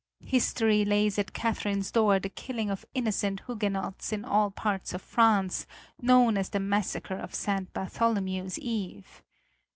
History lays at Catherine's door the killing of innocent Huguenots in all parts of France, known as the Massacre of Saint Bartholomew's Eve.